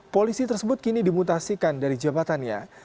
polisi tersebut kini dimutasikan dari jabatannya